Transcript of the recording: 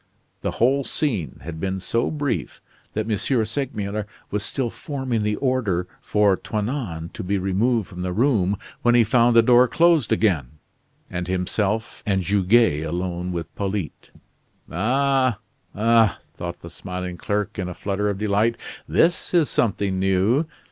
The whole scene had been so brief that M. Segmuller was still forming the order for Toinon to be removed from the room, when he found the door closed again, and himself and Goguet alone with Polyte. "Ah, ah!" thought the smiling clerk, in a flutter of delight, "this is something new."